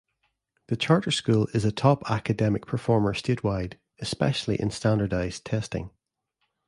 The Charter School is a top academic performer statewide, especially in standardized testing.